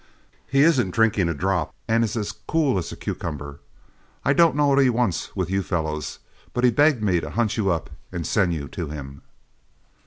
He isn't drinking a drop, and is as cool as a cucumber. I don't know what he wants with you fellows, but he begged me to hunt you up and send you to him."